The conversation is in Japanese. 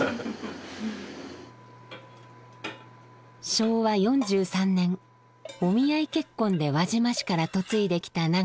昭和４３年お見合い結婚で輪島市から嫁いできた伸子さん。